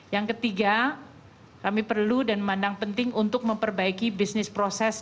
yang ketiga kami perlu dan memandang penting untuk memperbaiki bisnis proses